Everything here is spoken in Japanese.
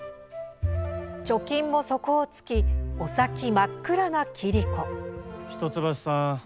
貯金も底をつきお先真っ暗な桐子。